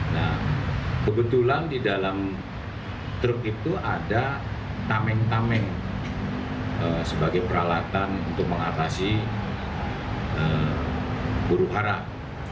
nah kebetulan di dalam truk itu ada tameng tameng sebagai peralatan untuk mengatasi buruh harap